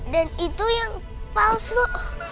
dan itu yang palsu